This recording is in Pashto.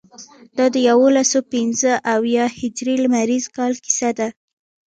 دا د یوسلو پنځه اویا هجري لمریز کال کیسه ده.